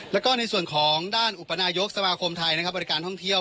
แล้วก็ในส่วนของด้านอุปนายกสมาคมไทยนะครับบริการท่องเที่ยว